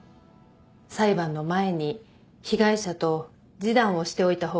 裁判の前に被害者と示談をしておいた方がいいかと。